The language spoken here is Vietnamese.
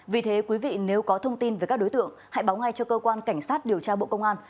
vì thế quý vị nếu có thông tin về các đối tượng hãy báo ngay cho cơ quan cảnh sát điều tra bộ công an